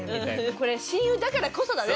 これ親友だからこそだね。